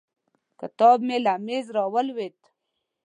کتاب مې له مېز راولوېد.